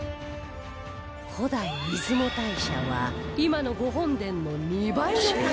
古代出雲大社は今の御本殿の２倍の高さ